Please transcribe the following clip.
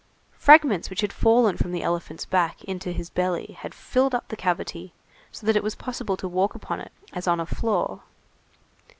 Fragments which had fallen from the elephant's back into his belly had filled up the cavity, so that it was possible to walk upon it as on a floor.